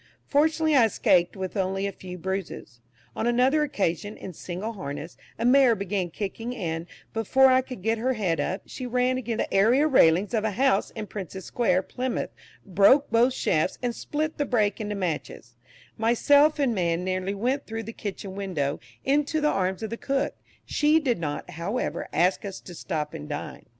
Fortunately I escaped with only a few bruises. On another occasion, in single harness, a mare began kicking, and, before I could get her head up, she ran against the area railings of a house in Princess Square, Plymouth, broke both shafts, and split the break into matches; myself and man nearly went through the kitchen window, into the arms of the cook; she did not, however, ask us to stop and dine.